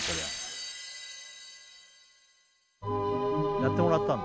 やってもらったんだ。